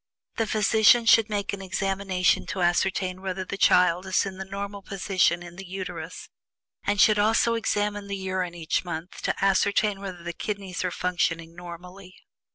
The physician should make an examination to ascertain whether the child is in the normal position in the Uterus, and should also examine the urine each month to ascertain whether the kidneys are functioning normally.